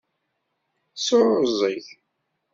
Tesɛuẓẓeg.